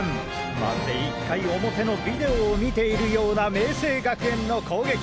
まるで１回表のビデオを観ているような明青学園の攻撃！